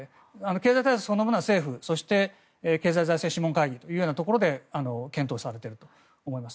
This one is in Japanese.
経済対策そのものは政府そして経済財政諮問会議というところで検討されていると思います。